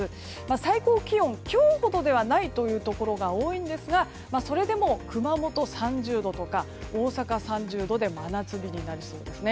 最高気温は今日ほどではないというところが多いんですがそれでも熊本３０度とか大阪３０度で真夏日になりそうです。